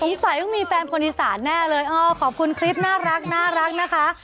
ต้องมีแฟนคนอีสานแน่เลยเออขอบคุณคลิปน่ารักนะคะ